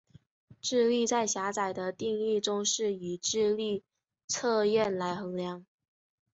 智力在狭窄的定义中是以智力测验来衡量。